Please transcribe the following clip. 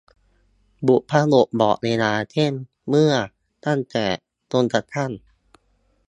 บุพบทบอกเวลา เช่น เมื่อ ตั้งแต่ จนกระทั่ง